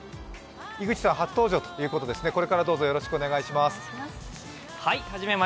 井口さん、初登場ということですね、これからどうぞよろしくお願いします。